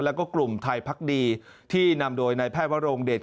แล้วก็กลุ่มไทยพักดีที่นำโดยนายแพทย์วรงเดช